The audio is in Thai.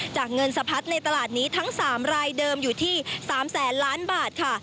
เงินสะพัดในตลาดนี้ทั้ง๓รายเดิมอยู่ที่๓แสนล้านบาทค่ะ